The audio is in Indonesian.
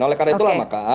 nah oleh karena itulah maka